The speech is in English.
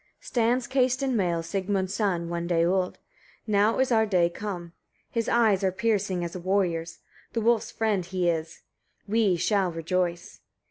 6. Stands cased in mail Sigmund's son, one day old: now is our day come. His eyes are piercing as a warrior's; the wolf's friend is he: we shall rejoice!"